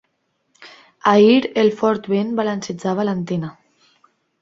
Ahir, el fort vent balancejava l'antena.